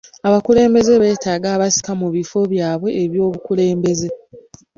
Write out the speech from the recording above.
Abakulembeze beetaaga abasika mu bifo byabwe eby'obukulembeze?